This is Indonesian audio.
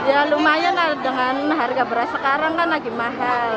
ya lumayan lah dengan harga beras sekarang kan lagi mahal